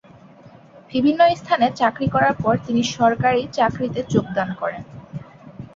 বিভিন্ন স্থানে চাকরি করার পর তিনি সরকারী চাকরিতে যোগদান করেন।